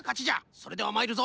それではまいるぞ！